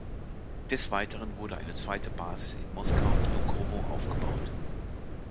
Des Weiteren wurde eine zweite Basis in Moskau-Wnukowo aufgebaut.